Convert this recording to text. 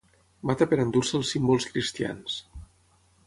Mata per endur-se els símbols cristians.